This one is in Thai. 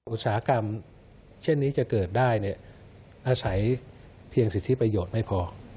อุตสาหกรรมเช่นนี้จะเกิดได้อาศัยเพียงสิทธิประโยชน์ไม่พอ